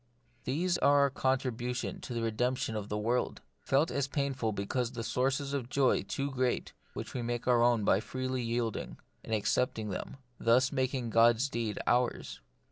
These are our contribution to the redemption of the world, felt as pain ful because the sources of a joy too great, which we make our own by freely yielding, and accepting them ; thus making God's deed ours.